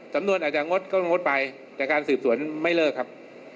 สำนวนอาจจะงดก็งดไปแต่การสืบสวนไม่เลิกครับ